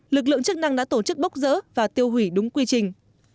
lực lượng chức năng đã tổ chức bốc dỡ và tiêu hủy đúng quy trình